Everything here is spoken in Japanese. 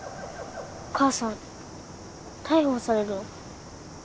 お母さん逮捕されるの？